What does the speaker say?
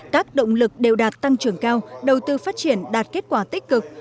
các động lực đều đạt tăng trưởng cao đầu tư phát triển đạt kết quả tích cực